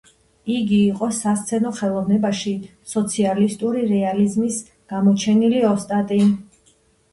იგი იყო სასცენო ხელოვნებაში სოციალისტური რეალიზმის გამოჩენილი ოსტატი.